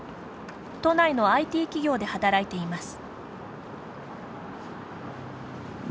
都内のＩＴ企業で働いています。